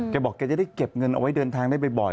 แกบอกแกจะได้เก็บเงินเอาไว้เดินทางได้บ่อย